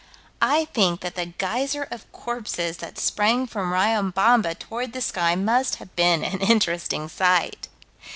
I think that the geyser of corpses that sprang from Riobamba toward the sky must have been an interesting sight.